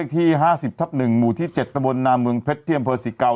ที่ห้าสิบทับหนึ่งหมู่ที่เจ็ดตะบนนามเมืองเพชรเที่ยมเผอร์สี่เก่า